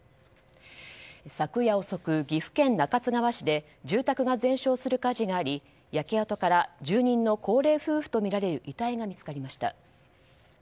昨夜遅く、岐阜県中津川市で住宅が全焼する火事があり焼け跡から住人の高齢夫婦とみられる遺体が見つかりました。